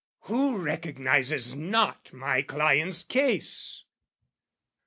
Who recognises not my client's case?